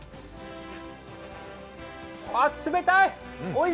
あっ、冷たい！